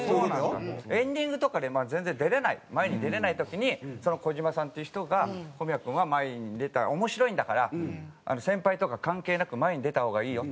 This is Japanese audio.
エンディングとかで全然出れない前に出れない時にその児島さんっていう人が「小宮君は前に出たら面白いんだから先輩とか関係なく前に出た方がいいよ」